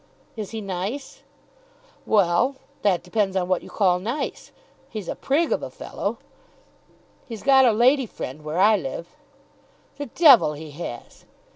"Is he nice?" "Well; that depends on what you call nice. He's a prig of a fellow." "He's got a lady friend where I live." "The devil he has!"